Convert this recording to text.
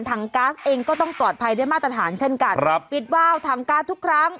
ก๊าซเองก็ต้องปลอดภัยด้วยมาตรฐานเช่นกันครับปิดวาวถังก๊าซทุกครั้ง